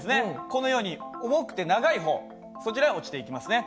このように重くて長い方そちらへ落ちていきますね。